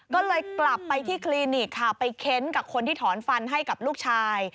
ก็เลยกลับไปที่คลินิกค่ะไปเค้นกับคนที่ถอนฟันให้กับลูกชาย